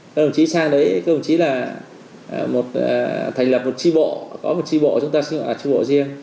các đồng chí sang đấy các đồng chí là thành lập một tri bộ có một tri bộ chúng ta xin gọi là tri bộ riêng